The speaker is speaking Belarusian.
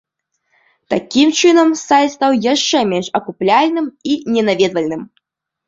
Такім чынам, сайт стаў яшчэ менш акупляльным і ненаведвальным.